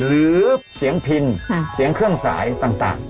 หรือเสียงพินเสียงเครื่องสายต่าง